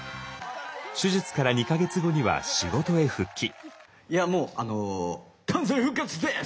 手術から２か月後には仕事へ復帰。